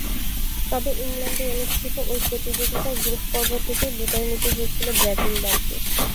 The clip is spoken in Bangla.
তবে ইংল্যান্ডে অনুষ্ঠিত ঐ প্রতিযোগিতার গ্রুপ পর্ব থেকেই বিদায় নিতে হয়েছিল ব্রাজিল দলকে।